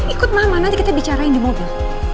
ikut mama nanti kita bicarain di mobil